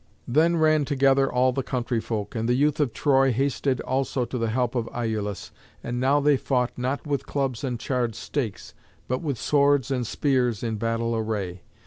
Then ran together all the country folk, and the youth of Troy hasted also to the help of Iülus. And now they fought not with clubs and charred stakes, but with swords and spears in battle array.